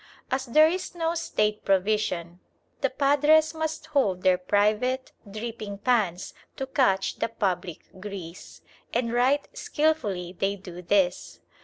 As there is no State provision, the padres must "hold their private dripping pans to catch the public grease"; and right skilfully they do this.